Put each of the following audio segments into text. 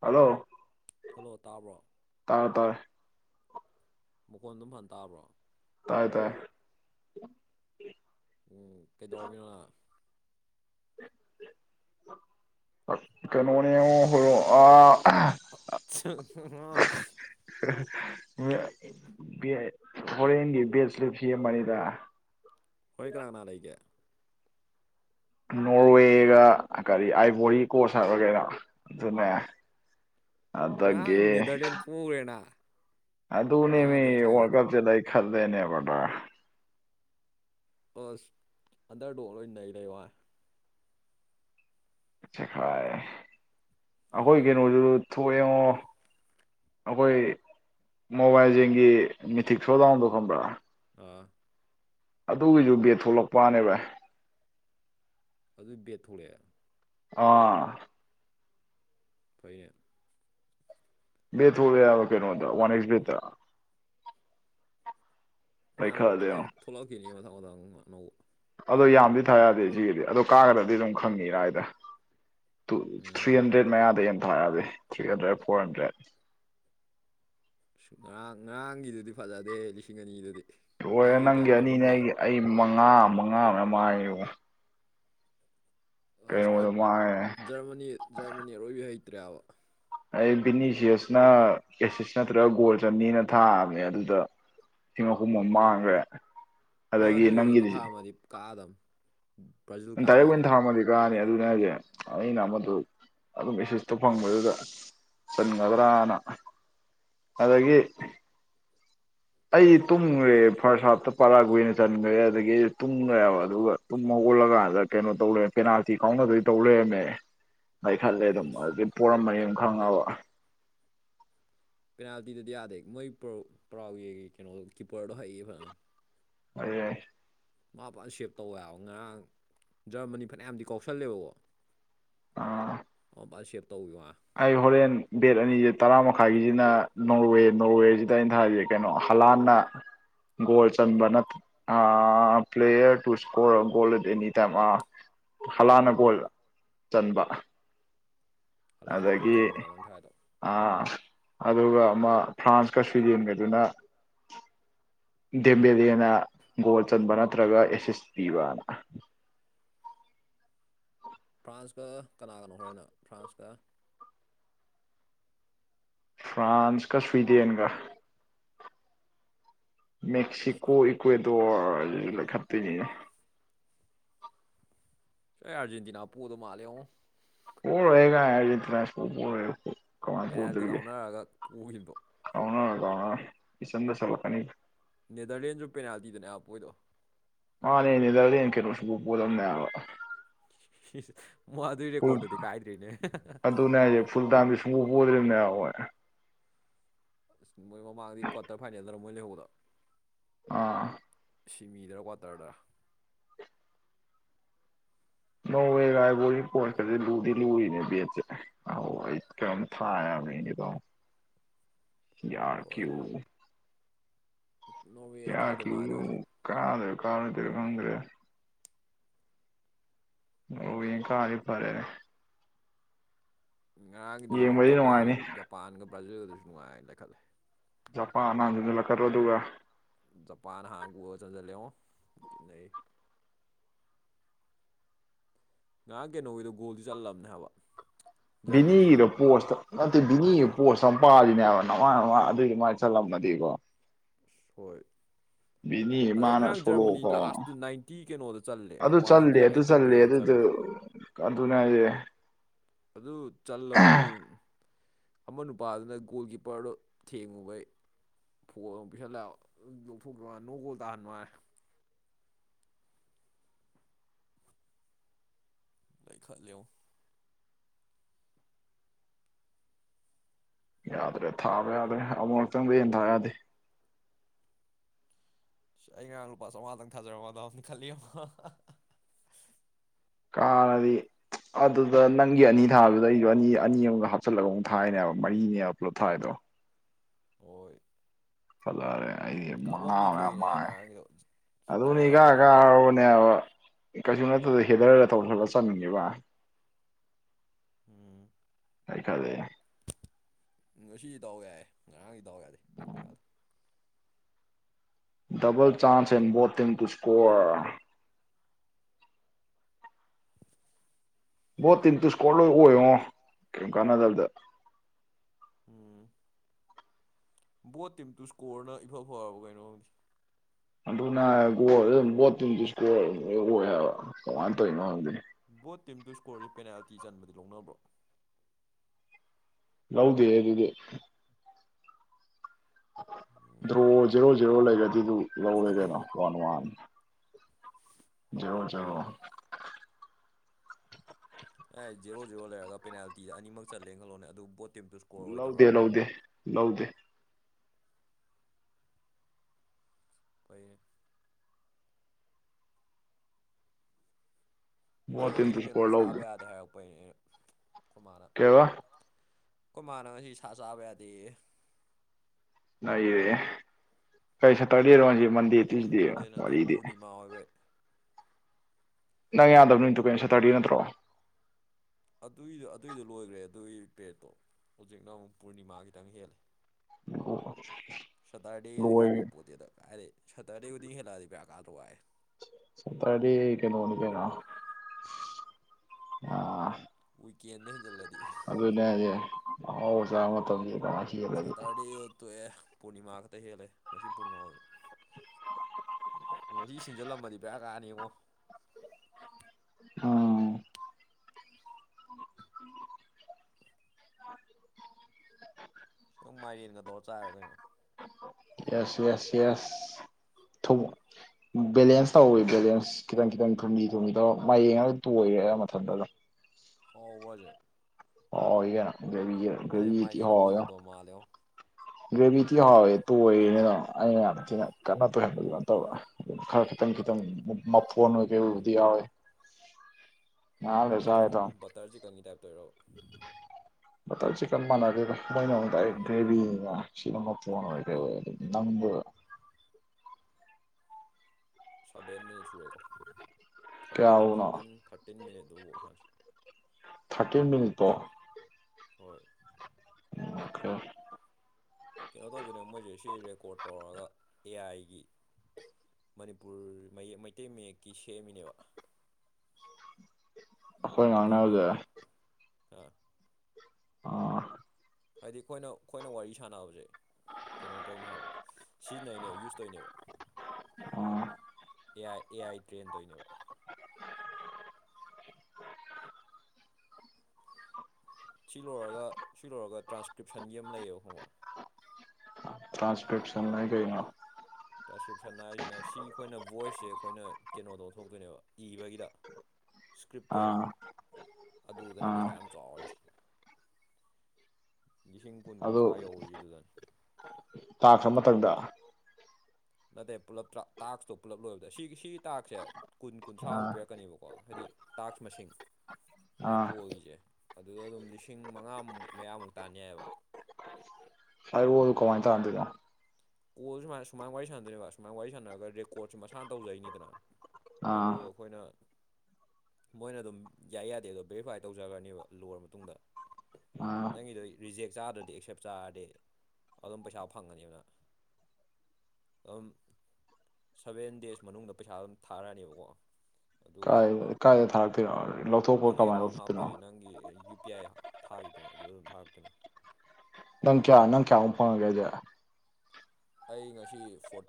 Hello hello ꯇꯥꯕ꯭ꯔꯣ ꯇꯥꯔꯦ ꯇꯥꯔꯦ ꯃꯈꯣꯟꯗꯨꯝ ꯐꯟ ꯇꯥꯕ꯭ꯔꯣ ꯇꯥꯏꯌꯦ ꯇꯥꯏ ꯎꯝ ꯀꯩꯗꯧꯔꯝꯃꯤꯅꯣ ꯀꯩꯅꯣꯅꯦ ꯑꯣ ꯑꯥ ꯍꯣꯔꯦꯟꯒꯤ ꯕꯦꯁꯂꯤꯞ ꯐ ꯑꯃꯅꯤꯅꯤꯗ ꯍꯣꯏ ꯀꯅꯥ ꯀꯅꯥ ꯂꯩꯒꯦ꯫ ꯅꯣꯔꯋꯦꯒ ꯀꯔꯤ ꯑꯥꯏꯕꯣꯔꯤ ꯀꯣꯁ ꯍꯥꯏꯔ ꯀꯩꯅꯣ ꯑꯗꯨꯅꯦ ꯉꯔꯥꯡ ꯑꯗꯒꯤ ꯅꯦꯗꯔꯂꯦꯟ ꯄꯣꯔꯦꯅꯥ ꯑꯗꯨꯅꯦꯃꯤ ꯋꯔꯜ ꯀꯨꯞ ꯁꯦ ꯂꯩꯈꯠꯂꯦꯅꯦ ꯕꯔꯣꯊꯦꯔ꯫ ꯑꯁ ꯑꯟꯗꯔꯗꯣꯛ ꯂꯣꯏ ꯅꯩꯔꯦ ꯋꯥꯏ ꯆꯦꯈꯥꯏ ꯑꯩꯈꯣꯏ ꯀꯩꯅꯣꯗꯨ ꯊꯣꯛꯑꯦꯉꯣ꯫ ꯑꯩꯈꯣꯏ ꯃꯣꯕꯥꯏꯜꯖꯦꯜꯒꯤ ꯃꯤꯊꯤꯛ ꯁꯣ ꯗꯥꯎꯟꯗꯣ ꯈꯪꯕ꯭ꯔꯥ? ꯑꯥ ꯑꯗꯨꯒꯤꯁꯨ ꯕꯦꯠ ꯊꯣꯛꯂꯛꯄꯅꯦꯕ ꯑꯗꯨꯏ ꯕꯦꯠ ꯊꯣꯛꯂꯛꯑꯦ ꯑꯥ ꯐꯩꯌꯦ꯫ ꯕꯥꯠ ꯊꯣꯛꯂꯛꯑꯥ ꯍꯥꯏꯕꯔ ꯋꯥꯟ ꯑꯦ ꯕꯥꯇ ꯇꯥ ꯃꯌꯥꯝ ꯂꯩꯈꯠꯂꯁꯦ ꯌꯦꯡꯉꯣ ꯑꯗꯨꯝ ꯊꯣꯛꯂꯛꯈꯤꯅꯤ ꯃꯊꯪ ꯃꯊꯪ ꯑꯅꯧꯕ ꯑꯗꯣ ꯌꯥꯝꯗꯤ ꯊꯥ ꯌꯥꯗꯦ ꯁꯤꯒꯤꯗꯤ ꯑꯗꯣ ꯀꯥꯒꯗ꯭ꯔꯗꯤ ꯑꯗꯨꯝ ꯈꯪꯅꯤꯔ ꯍꯥꯏꯗ ꯇꯨ ꯊ꯭ꯔꯤ ꯎꯝ ꯍꯟꯗ꯭ꯔꯦꯠ ꯃꯌꯥꯗ ꯌꯦꯟ ꯊꯥꯔꯛꯑꯁꯦ ꯊ꯭ꯔꯤ ꯍꯟꯗ꯭ꯔꯦꯠ ꯐꯣꯔ ꯍꯟꯗ꯭ꯔꯦꯠ ꯑ ꯉꯔꯥꯡ ꯉꯔꯥꯡꯒꯤꯗꯨꯗꯤ ꯐꯖꯗꯦ ꯂꯤꯁꯤꯡ ꯑꯅꯤꯗꯨꯗꯤ ꯂꯣꯏꯔꯦ ꯀꯌꯥ ꯅꯪꯒꯤ ꯑꯅꯤꯅꯦ ꯑꯍꯨꯝꯂꯥ ꯑꯩꯒꯤ ꯑꯩ ꯃꯉꯥ ꯃꯉꯥ ꯑꯃꯅ ꯃꯥꯡꯉꯤꯕꯣ ꯁ ꯑꯥ ꯀꯩꯅꯣꯗ ꯃꯥꯡꯉꯦ ꯖꯔꯃꯅꯤ ꯖꯔꯃꯅꯤ ꯑꯔꯣꯏꯕ ꯍꯩꯇ꯭ꯔꯦꯕ꯫ ꯑꯩ ꯚꯕꯤꯅꯤꯁꯤꯌꯁꯅ ꯑꯦꯁꯤꯁ ꯅꯠꯇ꯭ꯔꯒ ꯒꯣꯜ ꯆꯅꯤꯅ ꯊꯥꯑꯕꯅꯦ ꯑꯗꯨꯗ ꯊꯤꯡꯉ ꯀꯨꯝꯃ ꯃꯥꯡꯒ꯭ꯔꯦ꯫ ꯅꯪ ꯑꯗꯒꯤ ꯑꯗꯨꯏ ꯀꯩꯅꯣ ꯅꯪꯒꯤꯗꯤ ꯊꯥ ꯑꯃꯗꯤ ꯀꯥꯛꯑꯗꯝꯅꯦ꯫ ꯗꯥꯏꯔꯦꯛ ꯑꯣꯏꯅ ꯊꯥꯡꯃꯗꯤ ꯀꯥꯅꯤ ꯑꯗꯨꯅꯦ ꯍꯥꯏꯁꯦ ꯑꯩꯅ ꯑꯃꯗꯨ ꯑꯗꯨꯝ ꯑꯦꯁꯤꯁꯇꯣ ꯐꯪꯕꯗꯨꯗ ꯆꯟꯒꯗ꯭ꯔꯥꯅ ꯑꯗꯒꯤ ꯑꯩ ꯇꯨꯝꯒ꯭ꯔꯦ ꯐꯥꯔꯁ ꯍꯥꯐꯇ ꯄꯔꯥꯒꯨꯋꯦꯅ ꯆꯟꯒ꯭ꯔꯦ ꯑꯗꯒꯤ ꯇꯨꯝꯒ꯭ꯔꯦꯕ ꯑꯗꯨꯒ ꯇꯨꯝ ꯍꯧꯒꯠꯂꯀꯥꯟꯗ ꯀꯩꯅꯣ ꯇꯧ ꯂꯩꯔꯃꯦ ꯄꯦꯅꯥꯜꯇꯤ ꯀꯥꯎꯅꯗꯨꯏ ꯇꯧ ꯂꯩꯔꯝꯃꯦ꯫ [inaudible] ꯑꯩ ꯈꯜꯂꯦ ꯑꯗꯨꯝ ꯑꯁ ꯑꯗꯨ ꯄꯣꯔꯝꯃꯅꯤ ꯑꯗꯨꯝ ꯈꯪꯉꯕ꯫ ꯄꯦꯅꯥꯜꯇꯤꯗꯗꯤ ꯌꯥꯗꯦ ꯃꯣꯏ ꯄ꯭ꯔꯣ ꯄꯔꯥꯎꯒꯣꯌꯦꯒꯤ ꯀꯩꯅꯣ ꯀꯤꯄꯔꯗꯣ ꯍꯩꯌꯦ ꯐꯖꯅ꯫ [unintelligible] ꯃꯥ ꯄꯅ ꯁꯦꯞ ꯇꯧꯋꯦ ꯍꯥꯏꯕ ꯉꯔꯥꯡ ꯖꯔꯃꯅꯤ ꯐꯅꯌꯥꯝꯗꯤ ꯀꯥꯎꯁꯜꯂꯦꯕꯀꯣ ꯑꯥ ꯃꯥ ꯐꯖꯅꯥ ꯁꯥꯕꯦ ꯇꯥꯎꯈꯤ ꯋꯥꯅꯤ꯫ ꯑꯩ ꯍꯣꯔꯦꯟ ꯕꯦꯠ ꯑꯅꯤꯁꯦ ꯇꯔꯥ ꯃꯈꯥꯏꯒꯤꯁꯤꯅ ꯅꯣꯔꯋꯦ ꯅꯣꯔꯋꯦꯁꯤꯗ ꯑꯩꯅ ꯊꯥꯏꯁꯦ ꯀꯩꯅꯣ ꯍꯂꯥꯟꯅ ꯒꯣꯜ ꯆꯟꯕꯅ ꯑ player to score goal any time ꯍꯂꯥꯟꯅꯒꯣꯜ ꯆꯟꯕ ꯍꯂꯥꯟꯅ ꯒꯣꯜ ꯑꯗꯨꯗꯒꯤ ꯆꯟꯕꯗꯨꯔꯣ ꯅꯪ ꯊꯥꯏꯗꯣ ꯑꯥ ꯑꯗꯨꯒ ꯑꯃ ꯐ꯭ꯔꯥꯟꯁꯀ ꯁ꯭ꯋꯤꯗꯦꯟꯒꯗꯨꯅ ꯗꯦꯝꯕꯗꯅ ꯒꯣꯜ ꯆꯟꯕ ꯅꯠꯇ꯭ꯔꯒ ꯑꯦꯁꯁ ꯄꯤꯕꯅ ꯐ꯭ꯔꯥꯟꯁꯀ ꯀꯅꯥ ꯀꯅꯣ ꯍꯣꯔꯅ ꯐ꯭ꯔꯥꯟꯁꯀ ꯐ꯭ꯔꯥꯟꯁꯀ ꯁ꯭ꯋꯤꯗꯦꯟꯒꯥ ꯃꯦꯛꯁꯤꯀꯣ ꯏꯀ꯭ꯋꯦꯗꯣꯔ ꯈꯞꯇꯣꯏꯅꯦ꯫ ꯁꯣꯏ ꯑꯔꯖꯦꯟꯇꯤꯅꯥ ꯄꯨꯗꯣ ꯃꯥꯜꯂꯦꯉꯣ꯫ ꯄꯣꯔꯣꯏꯍꯦ ꯀꯥꯏ ꯑꯔꯖꯦꯟꯇꯤꯅꯥ ꯁꯨꯡꯄꯣ ꯄꯣꯔꯣꯏ ꯀꯃꯥꯏ ꯄꯦꯅꯥꯜꯇꯤ ꯄꯣꯗꯨꯔꯤꯒꯦ꯫ ꯀꯥꯎꯅꯔꯒ ꯄꯣꯈꯤꯕꯗꯣ ꯀꯥꯎꯅꯔꯣ ꯀꯥꯎꯅꯔꯣ ꯏꯆꯟꯗ ꯆꯟꯂꯛꯀꯅꯤ꯫ ꯅꯦꯗꯔꯂꯦꯟꯁꯨ ꯄꯦꯅꯥꯜꯇꯤꯗꯅꯦ ꯍꯥꯏꯕ ꯄꯣꯏꯗꯣ꯫ ꯃꯥꯅꯦ ꯅꯦꯗꯔꯂꯦꯟ ꯀꯩꯅꯣ ꯁꯨꯡꯄꯣ ꯄꯣꯗꯕꯅꯦ ꯍꯥꯏꯕ꯫ ꯃꯥ ꯑꯗꯨꯏ ꯐꯨꯜ ꯔꯦꯀ꯭ꯣꯔꯠꯇꯨꯗꯤ ꯀꯥꯏꯗ꯭ꯔꯦꯅꯦ ꯑꯗꯨꯅꯦ ꯍꯥꯏꯁꯦ ꯐꯨꯜ ꯇꯥꯥꯏꯝꯗꯗꯤ ꯁꯨꯡꯄꯣ ꯄꯣꯗ꯭ꯔꯤꯕꯅꯦ ꯍꯥꯏꯕ ꯃꯣꯏ ꯑꯁ ꯃꯣꯏ ꯃꯃꯥꯡꯗꯤ ꯀ꯭ꯋꯥꯇꯔ ꯐꯥꯏꯅꯦꯜꯗꯔ ꯃꯣꯏ ꯂꯩꯍꯧꯕꯗꯣ ꯑꯥ ꯁꯤꯃꯤꯗꯔ ꯀ꯭ꯋꯥꯇꯔꯗꯔꯥ ꯅꯣꯔꯋꯦꯒ ꯑꯥꯏꯕꯣꯔꯤ ꯀꯣꯁꯀꯗꯤ ꯂꯨꯗꯤ ꯂꯨꯔꯤꯅꯦ ꯕꯦꯠꯁꯁꯦ ꯑꯣꯏ ꯀꯝ ꯊꯥꯅꯃꯤꯅꯤ ꯀꯧꯗꯧꯒꯦ ꯌꯥꯔꯦ ꯍꯣꯏ ꯀꯌꯥꯝ ꯅꯣꯔꯋꯦ ꯀꯥꯗꯧ ꯌꯥꯔꯀ꯭ꯌꯨ ꯃꯥꯜꯂꯦꯗ ꯉꯁꯤ ꯀꯥꯗꯣꯏꯔ ꯀꯥꯔꯣꯏꯗꯣꯔ ꯈꯪꯗ꯭ꯔꯦ ꯅꯣꯔꯋꯦꯅ ꯀꯥꯔꯗꯤ ꯐꯔꯦꯅꯦ ꯉꯔꯥꯡꯒꯤꯗꯨꯁꯨ ꯑꯦꯡꯕꯗꯤ ꯖꯄꯥꯟꯅ ꯅꯨꯡꯉꯥꯏꯅꯤ ꯖꯄꯥꯟꯒ ꯕ꯭ꯔꯥꯖꯤꯜꯒꯗꯨꯁꯨ ꯅꯨꯡꯉꯥꯏ ꯂꯩꯈꯠꯂꯦ ꯖꯄꯥꯥꯟꯅ ꯍꯟꯖꯟ ꯂꯛꯀꯗ꯭ꯔꯣ ꯑꯗꯨꯒ ꯖꯄꯥꯟꯅ ꯍꯥꯟꯅ ꯒꯣꯜ ꯆꯟꯖꯜꯂꯦꯉꯣ ꯊꯤ ꯅꯩ ꯉꯔꯥꯡ ꯀꯩꯅꯣꯒꯤꯗꯣ ꯒꯣꯜꯗꯤ ꯆꯜꯂꯕꯅꯦ ꯍꯥꯏꯕ ꯖꯔꯃꯅꯤꯗꯣ ꯕꯤꯅꯤꯒꯤꯗꯣ ꯄꯣꯁꯠꯇ ꯅꯠꯇꯦ ꯕꯤꯅꯤꯒꯤ ꯄꯣꯠꯁꯇ ꯑꯃ ꯄꯥꯂꯤꯅꯦꯕ ꯅꯃꯥꯒꯤ ꯃꯋꯥ ꯑꯗꯨꯒꯤ ꯃꯥꯏ ꯆꯟꯂꯝꯃꯗꯤꯀꯣ ꯍꯣꯏ ꯕꯤꯅꯤ ꯑꯗꯩ ꯃꯥꯅ ꯉꯔꯥꯡ ꯖꯔꯃꯅꯤ ꯁꯣꯂꯣꯀꯣ ꯂꯥꯁꯇ ꯅꯥꯏꯟꯇꯤ ꯀꯩꯅꯣꯗ ꯆꯜꯂꯦ ꯑꯗꯨ ꯋꯥꯟ ꯆꯜꯂꯦ ꯍꯟꯗ꯭ꯔꯦꯠ ꯑꯗꯨ ꯑꯥꯏꯠꯇꯤꯟꯗꯔ ꯀꯩꯅꯣ ꯑꯗꯨꯗꯨ ꯆꯜꯂꯦ [inaudible] ꯑꯗꯨꯅꯦ ꯍꯥꯏꯁꯦ ꯑꯗꯨ ꯆꯜꯂꯕꯗꯨ ꯑꯃ ꯅꯨꯄꯥꯗꯨꯅ ꯒꯣꯜ ꯀꯤꯞꯄꯔꯗꯣ ꯊꯦꯡꯉꯨꯕꯩ ꯐꯣꯜ ꯑꯃꯨꯛ ꯄꯤꯁꯜꯂꯛꯑꯦꯕ ꯂꯧꯊꯣꯛꯈꯤꯕꯥꯏ ꯅꯣ ꯒꯣꯜ ꯇꯥꯍꯟꯕꯥꯅꯦ ꯂꯩꯈꯠꯂꯦꯉꯣ ꯌꯥꯗ꯭ꯔꯦ ꯊꯥꯕ ꯌꯥꯗ꯭ꯔꯦ ꯑꯃꯛꯛꯇꯪꯗꯤ ꯍꯟ ꯊꯥ ꯌꯥꯗꯦ ꯑꯁ ꯑꯩ ꯉꯔꯥꯡ ꯂꯨꯄꯥ ꯆꯧꯉꯥꯗꯪ ꯊꯥꯖꯔꯔꯝꯕꯅꯤ ꯈꯜꯈꯛꯑꯦ ꯀꯔꯥꯗꯤ ꯑꯗꯨꯗ ꯅꯪꯒꯤ ꯑꯅꯤ ꯊꯥꯕꯗ ꯑꯩꯗꯣ ꯑꯅꯤ ꯑꯅꯤ ꯑꯒ ꯍꯥꯞꯆꯤꯜꯂꯒ ꯑꯃꯨꯛ ꯊꯥꯏꯅꯦꯕ ꯃꯔꯤꯅꯦꯕ ꯄꯨꯂꯞ ꯊꯥꯏꯗꯣ ꯍꯣꯏ ꯐꯥꯖꯥꯔꯦ ꯑꯩꯗꯤ ꯀꯥꯕꯝꯗꯤ ꯃꯉꯥ ꯊꯣꯛꯏꯅꯦ ꯃꯥꯡꯉꯦ ꯉꯔꯥꯡꯒꯤꯗꯣ ꯑꯗꯨꯗꯤ ꯗꯥꯎ ꯏꯀꯥ ꯌꯥꯗꯕꯩ ꯀꯥꯔꯕꯅꯦꯕ ꯍꯥꯏꯕ ꯀꯩꯁꯨ ꯅꯠꯇꯗ ꯍꯦꯗꯔꯒ ꯇꯧꯈꯠꯂꯒ ꯆꯟꯈꯤꯕꯅꯦ ꯎꯝ ꯍꯥꯏꯀꯗꯦ ꯉꯁꯤꯗꯤ ꯗꯥꯎ ꯌꯥꯏ ꯉꯔꯥꯡꯗꯤ ꯗꯥꯎ ꯌꯥꯗꯦ double chance and both team to score both team to score ꯂꯣꯏ ꯑꯣꯏꯉꯣ ꯀꯔꯤꯝ ꯀꯥꯟꯅꯗꯕꯗ ꯎꯝ ꯕꯣꯠ ꯇꯤꯝꯇꯨ ꯁꯀꯣꯔꯅ ꯏꯐꯥ ꯐꯔꯕ ꯀꯩꯅꯣ ꯈꯪꯗꯦ ꯑꯗꯨꯅ ꯒꯣꯜ ꯕꯣꯠ ꯇꯤꯝꯇꯨ ꯏꯁꯀꯣꯔ ꯑꯣꯏ ꯍꯥꯏꯕ ꯀꯃꯥꯏꯅ ꯇꯧꯔꯤꯅꯣ ꯈꯪꯗꯦ ꯕꯣꯠ ꯇꯤꯝꯇꯨ ꯁ꯭ꯀꯣꯔꯁꯦ ꯄꯦꯅꯥꯜꯇꯤ ꯆꯟꯕꯗꯤ ꯂꯧꯅꯕ꯭ꯔꯣ ꯂꯧꯗꯦꯍꯦ ꯑꯗꯨꯗꯤ ꯗ꯭ꯔꯣ ꯎꯝ ꯖꯦꯔꯣ ꯖꯦꯔꯣ ꯂꯩꯔꯗꯤ ꯑꯗꯨ ꯂꯧꯔꯦ ꯀꯩꯅꯣ one one zero zero um ꯑꯥꯏ ꯖꯦꯔꯣ ꯖꯦꯔꯣ ꯂꯩꯔꯒ ꯄꯦꯅꯥꯜꯇꯤ ꯑꯅꯤꯃꯛ ꯆꯠꯂꯦꯅ ꯈꯜꯂꯣꯅꯦ ꯑꯗꯨ ꯕꯣꯠ ꯇꯤꯝ ꯇꯨ ꯂꯧꯗꯦ ꯂꯧꯗꯦ ꯂꯧꯗꯦ ꯐꯩꯌꯦ ꯑꯩꯈꯣꯏ ꯕꯣꯠ ꯇꯤꯝ ꯇꯨ ꯉꯁꯤ ꯀꯩꯅꯣ ꯏꯁꯀꯣꯔ ꯂꯧꯗꯦ ꯆꯥꯕ ꯌꯥꯗꯦ ꯍꯥꯏꯔꯛꯄꯩꯅꯦ ꯑꯩꯈꯣꯏ ꯃꯥꯅ ꯀꯩꯑꯥꯕꯥ ꯑꯩꯈꯣꯏ ꯃꯥꯅꯥ ꯉꯁꯤꯁꯦ ꯁꯥ ꯆꯥꯕ ꯌꯥꯗꯦꯌꯦ ꯅꯩꯔꯦꯍꯦ ꯀꯔꯤ ꯁꯦꯇꯔꯗꯦꯔꯣꯁꯤ ꯃꯟꯗꯦ ꯇ꯭ꯨꯌꯏꯁꯗꯦ ꯋꯥꯔꯤꯔꯤꯗꯤ ꯉꯅꯥ ꯑꯣꯏꯕꯩ ꯅꯪ ꯌꯥꯗꯕꯅꯤ ꯅꯨꯃꯤꯠꯇꯨ ꯀꯩꯅꯣ ꯁꯦꯇꯔꯗꯦ ꯅꯠꯇ꯭ꯔꯣ ꯑꯗꯨꯏꯗꯣ ꯑꯗꯨꯏꯗꯣ ꯂꯣꯏꯈ꯭ꯔꯦ ꯑꯗꯨꯒꯤ ꯄꯦꯠꯇꯣ ꯍꯧꯖꯤꯛꯅ ꯑꯃꯨꯛ ꯄꯨꯔꯅꯤꯃꯥ ꯈꯤꯇꯪ ꯍꯦꯜꯂꯦ ꯑꯣ ꯁꯇꯔꯗꯦꯗ ꯍꯦꯟꯉꯝꯄꯣꯠꯇꯦꯗ ꯀꯥꯏꯗꯩ ꯁꯇꯔꯗꯦ ꯈꯨꯗꯤꯡ ꯍꯦꯜꯂꯛꯑꯗꯤ ꯕ‌ꯦꯔꯥ ꯀꯥꯗ꯭ꯔꯣ ꯚꯥꯏ ꯁꯇꯔꯗ‌ꯦ ꯀꯩꯅꯣꯅꯤ ꯀꯩꯅ‌ꯣ ꯋꯤꯛꯀꯦꯟꯗꯩ ꯍ‌ꯦꯟꯖꯜꯂꯛ ꯑꯗꯨꯅꯦꯁꯦ [unintelligible] ꯇꯪꯒꯤ ꯑꯃꯥꯏ ꯍꯦꯜꯂꯗꯤ ꯁꯇꯔꯗꯦ ꯇꯣꯛꯑꯦ ꯄꯨꯔꯅꯤꯃꯥ ꯈꯛꯇ ꯍꯦꯜꯂꯦ ꯉꯁꯤ ꯄꯨꯔꯅꯤꯃꯥ ꯑꯣꯏꯕ ꯎ ꯉꯁꯤ ꯁꯤꯟꯖꯜꯂꯝꯃꯗꯤ ꯕ‌ꯦꯔꯥ ꯀꯥꯅꯤꯉ‌ꯣ ꯑꯣ ꯅꯪ ꯃꯥꯏꯔꯦꯟꯒꯗꯧꯔ ꯆꯥꯏꯔꯣ ꯀꯩꯅꯣ ꯌꯦꯁ ꯌꯦꯁ ꯌꯦꯁ ꯊꯧꯃꯨꯛ ꯕꯦꯂꯦꯟꯁ ꯇꯧꯋꯤ ꯕꯦꯂꯦꯟꯁ ꯈꯤꯇꯪ ꯈꯤꯇꯪ ꯊꯨꯝꯂꯤ ꯊꯨꯝꯂꯤ ꯇꯧꯔ ꯃꯥꯏꯔ‌ꯦꯟꯒ ꯇꯣꯏꯔꯦ ꯃꯊꯟꯇ ꯗꯨꯝ ꯍꯥꯎꯕꯔ‌ꯣ ꯑꯖꯦ ꯍꯥꯎꯋꯤ ꯀꯩꯅ‌ꯣ ꯕ‌ꯦꯕꯤ ꯏꯌꯔ ꯅ‌ꯣꯏ ꯃꯥꯏꯔ‌ꯦꯟ ꯗꯨꯝ ꯌꯥꯎꯗꯧ ꯃꯥꯜꯂꯦꯉ‌ꯪ ꯕ‌ꯦꯕꯤꯀ꯭ꯌꯨ ꯍꯥꯎꯋꯦ ꯇꯣꯏꯔ‌‌ꯦꯅ [unintelligible] ꯑꯩꯅ ꯌꯥꯝ ꯊꯤꯅ ꯀꯟꯅ ꯇ‌ꯣꯏꯍꯟꯕꯗꯤ ꯅꯠꯇꯕ ꯈꯔ ꯈꯤꯇꯪ ꯈꯤꯇꯪ ꯐꯣꯟ ꯑꯣꯏ ꯀꯩ ꯑꯣꯏꯕꯨꯗꯤ ꯌꯥꯎꯔ‌ꯦ ꯇꯥꯃꯣ ꯕꯇꯔ ꯕꯇꯔ ꯆꯤꯛꯀꯟꯒꯤ ꯇꯥꯏꯞꯇ ꯇꯧꯏꯔꯣ ꯕꯇꯔ ꯆꯤꯛꯀꯟ ꯃꯥꯟꯅꯗ‌ꯦꯗ ꯃꯣꯏꯅ ꯗꯥꯏꯔ‌ꯦꯛ ꯒ꯭ꯔꯦꯕꯤꯅ‌ꯦ ꯁꯤꯅ ꯃꯐ‌ꯣꯟ ꯑꯣꯏ ꯀꯩꯑꯣꯏ ꯑꯗꯨ ꯅꯝꯕ ꯁꯕꯦꯟ ꯃꯤꯅꯤꯠ ꯁꯨꯔꯦꯀꯣ ꯀꯌꯥꯎꯅꯣ ꯊꯥꯔꯇꯤꯟ ꯊꯥꯔꯇꯤꯟ ꯃꯤꯅꯤꯠ ꯗꯨꯐꯧ ꯁꯥꯟꯅꯁꯦ꯫ ꯊꯥꯔꯇꯤꯟ ꯃꯤꯅꯤꯠ ꯐꯥꯎ ꯍꯣꯏ [unintelligible] ꯀꯩꯅꯣ ꯇꯧꯗꯣꯏꯅꯦ ꯃꯣꯏꯁꯦ ꯁꯤ ꯔꯦꯀꯣꯔꯠ ꯇꯧꯔꯒ ꯑꯦ ꯑꯥꯏꯒꯤ ꯃꯅꯤꯄꯨꯔ ꯃꯌꯦꯛ ꯃꯩꯇꯩ ꯃꯌꯦꯛꯀꯤ ꯁꯦꯝꯃꯤꯅꯦꯕ꯫ ꯑꯩꯈꯣꯏ ꯒ꯭ꯌꯥꯟ ꯉꯥꯡꯅꯕꯁꯦ ꯇꯥꯕꯔꯥ ꯑꯥ ꯑꯣ ꯍꯥꯏꯗꯤ ꯈꯣꯏꯅ ꯈꯣꯏꯅ ꯋꯥꯔꯤ ꯁꯥꯟꯅꯕꯖ‌ꯦ ꯀꯩꯅꯣ ꯇꯧꯏꯅꯦ ꯍꯥꯏꯕ ꯁꯤꯖꯤꯟꯅꯩꯅꯦꯕ use ꯇꯧꯏꯅꯦꯕ꯫ Ah A I A I train ꯇꯧꯏꯅꯦꯕ꯫ ꯁꯤ ꯂꯣꯏꯔꯒ ꯁꯤ ꯂꯣꯏꯔꯒ ꯇ꯭ꯔꯥꯟꯁꯀ꯭ꯔꯤꯞꯁꯟꯒꯤ ꯑꯃ ꯂꯩꯌꯦꯕ ꯈꯪꯕꯔ ꯇ꯭ꯔꯥꯟꯁꯄ꯭ꯔꯦꯞꯁꯟ ꯍꯥꯏ ꯀꯩꯩꯅꯣ ꯇ꯭ꯔꯁꯀ꯭ꯔꯤꯞꯁꯟ ꯍꯥꯏꯔꯤꯁꯤꯅ ꯁꯤ ꯑꯩꯈꯣꯏꯅ ꯚꯣꯏꯁꯁꯦ ꯑꯩꯈꯣꯏꯅ ꯀꯩꯅꯣꯗ ꯑꯣꯟꯊꯣꯛꯇꯣꯏꯅꯦꯕ ꯏꯕꯒꯤꯗ [unintelligible] ꯏꯁꯀ꯭ꯔꯤꯞꯇ ꯑꯣꯏꯅ ꯑꯥ ꯑꯗꯨꯗꯅꯦ ꯑꯥ ꯄꯩꯁꯥ ꯌꯥꯝ ꯆꯥꯎꯋꯤꯁ‌ꯦ ꯂꯤꯁꯤꯡ ꯀꯨꯟ ꯀꯨꯟꯊ꯭ꯔꯥ ꯌꯧꯔꯤꯁꯤ ꯑꯗꯨꯗꯅꯤ ꯇꯥꯛꯁ ꯃꯇꯪꯗ ꯅꯠꯇꯦ ꯄꯨꯜꯂꯞꯇ ꯇꯥꯛꯁꯇꯣ ꯄꯨꯂꯞ ꯂꯣꯏꯕꯗ ꯁꯤ ꯁꯤꯒꯤ ꯇꯥꯛꯁꯁꯦ ꯀꯨꯟ ꯀꯨꯟꯊ꯭ꯔꯥꯃꯨꯛ ꯑꯥ ꯄꯤꯔꯛꯀꯅꯦꯕꯀꯣ ꯍꯥꯏꯗꯤ ꯇꯥꯛꯁ ꯃꯁꯤꯡ ꯑꯥ ꯀꯣꯜꯒꯤꯁꯦ ꯑꯗꯨꯗ ꯑꯗꯨꯝ ꯂꯤꯁꯤꯡ ꯃꯉꯥꯃꯨꯛ ꯃꯌꯥꯃꯨꯛ ꯇꯥꯟ ꯌꯥꯏꯕ ꯀ‌ꯣꯜ ꯀꯃꯥꯏ ꯇꯥꯟꯗꯨꯏꯅ‌ꯣ ꯀꯣꯜ ꯁꯨꯃꯥꯏ ꯁꯨꯃꯥꯏꯅ ꯋꯥꯔꯤꯟꯅꯗꯣꯏꯕ ꯁꯨꯃꯥꯏ ꯋꯥꯔꯤ ꯁꯥꯟꯅꯔꯒ ꯔꯦꯀꯣꯔꯠꯁꯨ ꯃꯁꯥꯟ ꯇꯧꯖꯩꯅꯤꯗꯅ ꯑꯥ ꯑꯗꯨ ꯑꯩꯈꯣꯏꯅ ꯃꯣꯏꯅ ꯑꯗꯨꯝ ꯌꯥꯏ ꯌꯥꯗꯦꯗꯣ ꯕꯦꯔꯤꯐꯥꯏ ꯇꯧꯖꯈ꯭ꯔꯅꯦꯕ ꯂꯣꯏꯔ ꯃꯇꯨꯡꯗ ꯑꯥ ꯅꯪꯒꯤꯗꯣ ꯔꯤꯖꯦꯛ ꯆꯥꯗ꯭ꯔꯗꯤ ꯑꯦꯛꯁꯦꯞ ꯆꯥꯔꯗꯤ ꯑꯗꯨꯝ ꯄꯩꯁꯥ ꯐꯪꯒꯅꯤꯕ ꯅꯪ ꯑꯗꯨꯝ ꯁꯚꯦꯟ ꯗꯦꯖ ꯃꯅꯨꯡꯗ ꯄꯩꯁꯥ ꯑꯗꯨꯝ ꯊꯥꯔꯅꯤꯕꯀꯣ ꯑꯗꯨꯒ ꯀꯥꯏ ꯀꯥꯏꯗ ꯊꯥꯔꯛꯇꯣꯏꯅꯣ ꯂꯧꯊꯣꯛꯄ ꯅꯪ ꯀꯃꯥꯏꯅ ꯑꯦꯀꯥꯎꯟ ꯂꯧꯊꯣꯛꯇꯣꯏꯅꯣ ꯍꯥꯞꯇꯨꯏꯅ‌ꯦ ꯅꯪꯒꯤ ꯌꯨ ꯄꯤ ꯑꯥꯏ ꯍꯥ ꯊꯥꯈꯤꯗꯨꯏꯅ‌ꯦ ꯑꯗꯨꯗ ꯑꯗꯨꯝ ꯊꯥꯔꯛꯇ‌ꯣꯏꯅꯤ ꯅꯪ ꯀꯌꯥ ꯅꯪ ꯀꯌꯥ ꯃꯨꯛ ꯐꯪꯉꯒꯦ ꯍꯥꯖ‌ꯦ? ꯑꯩ ꯉꯁꯤ four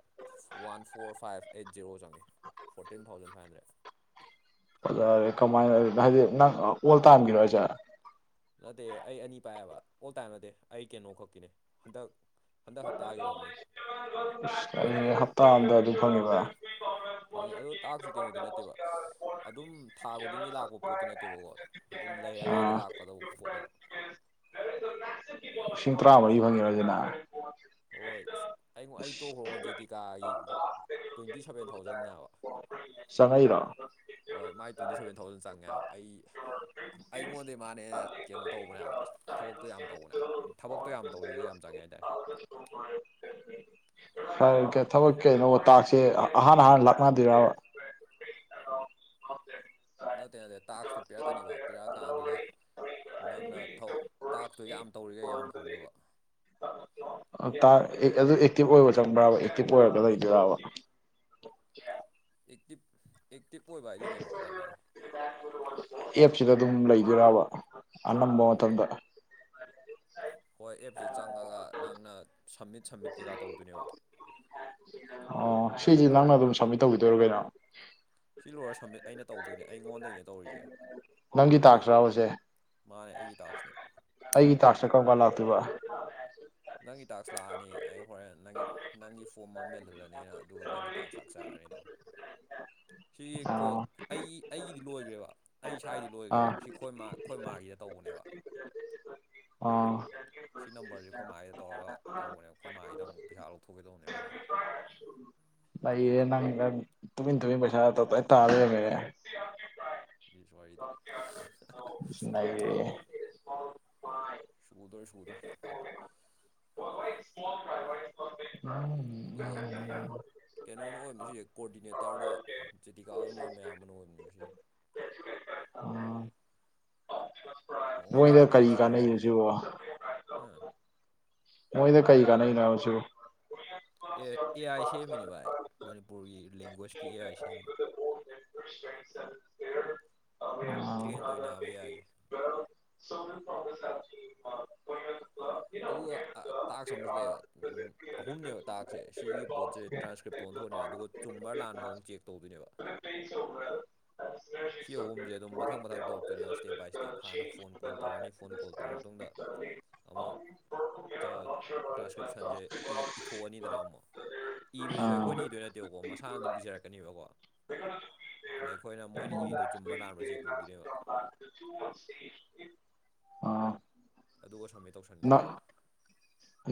one four five eight zero ꯆꯪꯉꯦ ꯐꯣꯔꯇꯤꯟ ꯊꯥꯎꯖꯟ ꯐꯥꯏꯚ ꯍꯟꯗ꯭ꯔꯦꯠ꯫ ꯑꯣꯖꯔꯦ ꯀꯃꯥꯏꯅ ꯍꯥꯏꯗꯤ ꯅꯪ ꯑꯣꯜ ꯇꯥꯝꯒꯤꯔꯣ ꯍꯥꯏꯁꯦ? ꯅꯠꯇꯦ ꯑꯩ ꯑꯅꯤ ꯄꯥꯏꯌꯦꯕ ꯑꯣꯜ ꯇꯥꯏꯝ ꯅꯠꯇꯦ ꯑꯩ ꯀꯩꯅꯣ ꯈꯛꯀꯤꯅꯦ ꯍꯟꯗꯛ ꯍꯟꯗꯛ ꯍꯞꯇꯥꯒꯤ ꯑꯣꯔꯝꯅꯤ [unintelligible] ꯍꯞꯇꯥꯝꯗ ꯑꯗꯨ ꯐꯪꯉꯤꯕ ꯐꯪꯉꯦ ꯑꯗꯣ ꯇꯥꯛꯁꯤ ꯀꯩꯅꯣꯗꯤ ꯅꯠꯇꯦꯕ ꯑꯗꯨꯝ ꯊꯥ ꯈꯨꯗꯤꯡꯒꯤ ꯂꯥꯛꯄ ꯄꯣꯠꯇꯤ ꯅꯠꯇꯦꯕꯀꯣ ꯑꯗꯨꯝ ꯂꯩꯔꯀꯥꯟꯗ ꯂꯥꯛꯀꯗꯧꯕ ꯄꯣꯠꯅꯦꯕ꯫ ꯂꯤꯁꯤꯡ ꯇꯔꯥꯃꯔꯤ ꯐꯪꯉꯦꯔꯁꯤꯅ? ꯍꯣꯏ ꯑꯩ ꯑꯩ ꯇꯣꯛꯈ꯭ꯔꯣꯉꯣ ꯖꯦꯇꯤꯀꯥꯒꯤ ꯇ꯭ꯋꯦꯟꯇꯤ ꯁꯚꯦꯟ ꯊꯥꯎꯖꯟꯅꯦꯕꯥ ꯆꯪꯉꯛꯏꯔꯣ? ꯍꯣꯏ ꯃꯥꯏ ꯇ꯭ꯋꯦꯟꯇꯤ ꯁꯕꯦꯟ ꯊꯥꯎꯖꯟ ꯆꯪꯉꯦꯕ ꯑꯩ ꯑꯩꯉꯣꯟꯗꯩ ꯃꯥꯅꯦ ꯀꯩꯅꯣ ꯇꯧꯕꯅꯦꯕ ꯊꯕꯛꯇꯣ ꯌꯥꯝ ꯇꯧꯕꯅꯦ ꯊꯕꯛꯇꯣ ꯌꯥꯝ ꯇꯧꯔꯤꯒꯦ ꯌꯥꯝ ꯆꯪꯉꯦ ꯍꯥꯏꯇꯥꯔꯦ꯫ [unintelligible] ꯐꯔꯦ ꯊꯕꯛ ꯀꯩꯅꯣ ꯇꯥꯛꯁꯦ ꯑꯍꯥꯟ ꯑꯍꯥꯟ ꯂꯥꯛꯅꯗꯣꯏꯔꯕ? ꯅꯠꯇꯦ ꯅꯠꯇꯦ ꯇꯥꯛꯁꯇꯨ ꯄꯤꯔꯛꯀꯅꯤꯕ ꯄꯤꯔꯛꯑꯀꯥꯟꯗꯨꯗ ꯅꯪꯅ ꯊꯧ ꯇꯥꯛꯁꯇꯨ ꯌꯥꯝ ꯇꯧꯔꯤꯒꯩ ꯌꯥꯝ ꯐꯪꯗꯨꯕ꯫ ꯇꯥꯛ ꯑꯗꯨ ꯑꯦꯛꯇꯤꯚ ꯑꯣꯏꯕ ꯆꯪꯕ꯭ꯔꯕ ꯑꯦꯛꯇꯤꯚ ꯑꯣꯏꯔꯒ ꯂꯩꯗꯣꯏꯔꯥꯕ ꯑꯦꯛꯇꯤꯞ ꯑꯦꯛꯇꯤꯞ ꯑꯣꯏꯕꯗꯤ ꯀꯩꯅꯣ ꯒ꯭ꯌꯥꯟ ꯇꯗꯦ꯫ [unintelligible] ꯑꯦꯞꯁꯤꯗ ꯑꯗꯨꯝ ꯂꯩꯗꯨꯏꯔꯥꯕ ꯑꯅꯝꯕ ꯃꯇꯝꯗ꯫ [unintelligible] ꯍꯣꯏ ꯑꯦꯞꯁꯦ ꯆꯪꯉꯒ ꯅꯪꯅ ꯁꯝꯃꯤꯠ ꯁꯝꯃꯤꯠ ꯀꯩꯀꯥ ꯇꯧꯗꯣꯏꯅꯦꯕ꯫ ꯑꯣ ꯁꯤꯁꯤ ꯅꯪꯅ ꯑꯗꯨꯝ ꯁꯝꯃꯤꯠ ꯇꯧꯕꯤꯗꯣꯏꯔꯣ ꯀꯩꯅꯣ ꯁꯤ ꯂꯣꯏꯔ ꯁꯝꯃꯤꯠ ꯑꯩꯅ ꯇꯧꯗꯣꯏꯅꯦ ꯑꯩꯉꯣꯟꯗꯒꯤꯅꯦ ꯇꯧꯔꯤꯁꯦ ꯅꯪꯒꯤ ꯇꯥꯛꯁ ꯔꯥꯕꯁꯦ ꯃꯥꯅꯦ ꯑꯩꯒꯤ ꯇꯥꯛꯁꯅꯦ ꯑꯩꯒꯤ ꯇꯥꯥꯛꯁꯅ ꯀꯔꯝꯒꯟ ꯂꯥꯛꯇꯣꯏꯕ ꯑꯗꯨꯒꯕ ꯅꯪꯒꯤ ꯇꯥꯛꯁ ꯂꯥꯛꯑꯅꯤ ꯑꯩ ꯍꯣꯔꯦꯟ ꯅꯪꯒꯤ ꯅꯪꯒꯤ ꯐꯣꯝ ꯑꯃ ꯃꯦꯜꯍꯜꯂꯅꯤ ꯑꯩꯅ ꯑꯗꯨꯒ ꯅꯪꯒꯤ ꯇꯥꯛ ꯂꯥꯛꯆꯔꯔꯤ ꯁꯤꯒꯤ ꯀꯣꯜ ꯑꯥ ꯑꯩꯒꯤ ꯑꯩꯒꯤꯗꯤ ꯂꯣꯏꯈ꯭ꯔꯦꯕ ꯑꯩ ꯏꯁ꯭ꯋꯥꯏꯗꯤ ꯂꯣꯏꯈ꯭ꯔꯦꯕ ꯑꯥ ꯁꯤ ꯈꯣꯏ ꯃꯥ ꯈꯣꯏ ꯃꯥꯒꯤꯗ ꯇꯧꯕꯅꯦꯕ ꯑꯥ ꯁꯤ ꯅꯝꯕꯔꯁꯤ ꯈꯣꯏ ꯃꯥꯥꯏꯒꯤꯗ ꯇꯧꯔꯒ ꯇꯧꯕꯅꯦ ꯈꯣꯏ ꯃꯥꯒꯤꯗ ꯑꯃꯨꯛ ꯄꯩꯁꯥ ꯂꯧꯊꯣꯛꯀꯦꯗꯧꯕꯅꯦꯕ ꯑꯩꯅ꯫ ꯅꯩꯔꯦ ꯅꯪ ꯅꯪ ꯇꯨꯃꯤꯟ ꯇꯨꯃꯤꯟ ꯄꯩꯁꯥ ꯇꯞꯇꯥꯏ ꯇꯥꯂꯩꯔꯝꯃꯦ꯫ [unintelligible] ꯏꯁ ꯅꯪꯔꯦꯌꯦ꯫ ꯁꯨꯗꯣꯏ ꯁꯨꯗꯣꯏ ꯑꯗꯨꯒ [unintelligible] ꯀꯩꯅꯣꯅ ꯑꯣꯏꯕꯅꯦ ꯁꯤꯁꯦ ꯀꯣꯔꯗꯤꯅꯦꯇꯔꯗꯣ ꯆꯦꯇꯤꯀꯥ ꯃꯣꯏ ꯃꯌꯥꯝꯕꯅ ꯑꯣꯏꯕꯅꯦ ꯁꯤꯁꯦ꯫ ꯃꯣꯏꯗ ꯃꯉꯣꯟꯗꯩꯅꯦ ꯀꯔꯤ ꯇꯥꯛꯁ ꯀꯥꯟꯅꯩꯅꯣ ꯂꯧꯔꯤꯁꯤꯉꯩꯁꯦ ꯁꯤꯕꯣ ꯍꯥꯥ ꯃꯣꯏꯗ ꯀꯩ ꯀꯥꯟꯅꯩꯅꯣꯕ ꯁꯤꯕꯨ ꯑꯦ ꯑꯦ ꯑꯥꯏ ꯁꯦꯝꯃꯤꯅꯦ ꯚꯥꯏ ꯃꯅꯤꯄꯨꯔꯒꯤ ꯂꯦꯡꯒ꯭ꯋꯦꯁꯀꯤ A I ꯁꯦꯝꯃꯤꯅꯦ꯫ Train ꯇꯧꯔꯤꯅꯦꯕ A I ꯁꯣꯣꯦꯁ [inaudible] ꯑꯗꯨꯒ ꯇꯥꯛꯁ ꯑꯃꯁꯨ ꯂꯩꯌꯦꯕ ꯎꯝ ꯎꯝ ꯑꯍꯨꯝꯅꯦꯕ ꯇꯥꯛꯁꯦ ꯁꯤꯒꯤ ꯄꯣꯠꯁꯦ ꯇ꯭ꯔꯥꯟꯁꯀ꯭ꯔꯤꯞꯗ ꯑꯣꯟꯊꯣꯛꯑꯒ ꯑꯗꯨꯒ ꯆꯨꯝꯕ꯭ꯔꯥ ꯂꯥꯟꯕ꯭ꯔꯥ ꯑꯃꯨꯛ ꯆꯦꯛ ꯇꯧꯗꯣꯏꯅꯦꯕ ꯆ꯭ꯔ [inaudible] ꯑ [inaudible] ꯁꯤ ꯑꯍꯨꯝꯁ ꯑꯗꯨꯝ ꯃꯊꯪ ꯃꯊꯪ ꯇꯧꯔꯛꯇꯣꯏꯅꯦ ꯁ꯭ꯇꯦꯞ ꯕꯥꯏ ꯁ꯭ꯇꯦꯞ ꯍꯥꯟꯅ ꯐꯣꯟ ꯀꯣꯜ ꯇꯧꯔꯅꯤ ꯐꯣꯟ ꯀꯣꯜ ꯇꯧꯔꯕ ꯃꯇꯨꯡꯗ ꯑꯃꯨ ꯇ꯭ꯔꯥꯟꯁꯀ꯭ꯔꯤꯞꯁꯟꯁꯦ ꯏꯊꯣꯛꯑꯅꯤꯗꯅ ꯑꯃꯨꯛ ꯑꯥ ꯏꯕꯁꯨ ꯑꯩꯈꯣꯏꯅ ꯏꯗꯣꯏ ꯅꯠꯇꯦꯕꯀꯣ ꯃꯁꯥꯅ ꯑꯗꯨꯝ ꯏꯖꯔꯛꯀꯅꯦꯕꯀꯣ ꯑꯗ ꯑꯩꯈꯣꯏꯅ ꯃꯣꯏꯅꯤ [unintelligible] ꯑꯥ ꯑꯗꯨꯒ ꯁꯝꯃꯤꯠ ꯇꯧꯁꯟꯈꯤꯕꯗꯣ ꯅꯪ